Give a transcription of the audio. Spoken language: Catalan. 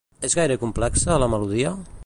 És gaire complexa, la melodia?